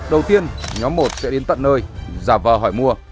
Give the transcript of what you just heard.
đầu tiên nhóm một sẽ đến tận nơi giả vờ hỏi mua